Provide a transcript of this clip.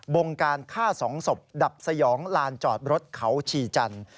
งการฆ่าสองศพดับสยองลานจอดรถเขาชีจันทร์